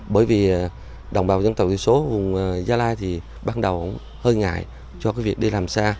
bởi vì đồng bào dân tộc thiểu số vùng gia lai thì ban đầu cũng hơi ngại cho cái việc đi làm xa